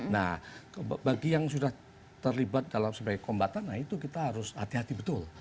nah bagi yang sudah terlibat dalam sebagai kombatan nah itu kita harus hati hati betul